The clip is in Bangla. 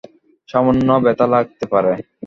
সামান্য ব্যথা লাগতে পারে।